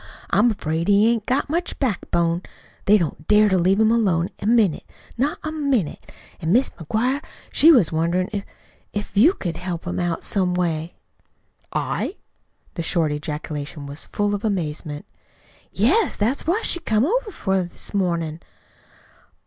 I'm afraid he hain't got much backbone. They don't dare to leave him alone a minute not a minute. An' Mis' McGuire, she was wonderin' if if you couldn't help 'em out some way." "I?" The short ejaculation was full of amazement. "Yes. That's what she come over for this mornin'."